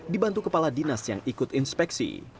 dibantu kepala dinas yang ikut inspeksi